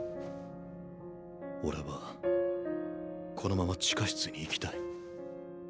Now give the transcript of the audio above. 俺はこのまま地下室に行きたい。